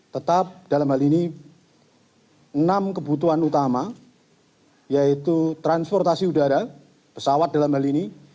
tetap dalam hal ini enam kebutuhan utama yaitu transportasi udara pesawat dalam hal ini